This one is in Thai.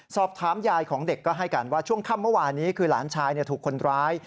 สอบถามยายของเด็กก็ให้การว่าช่วงค่ำเมื่อวานนี้คือหลานชายถูกคนร้าย